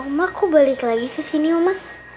oma kok balik lagi kesini oma